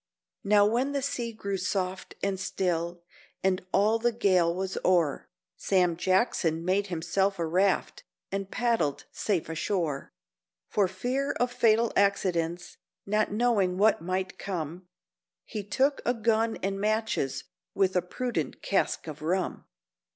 Now when the sea grew soft and still, and all the gale was o'er, Sam Jackson made himself a raft, and paddled safe ashore. For fear of fatal accidents—not knowin' what might come, He took a gun and matches, with a prudent cask of rum.